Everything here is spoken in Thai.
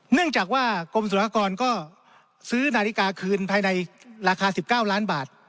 เนื่องจากว่ากรมสุรกรก็ซื้อนาฬิกาคืนภายในราคา๑๙ล้านบาท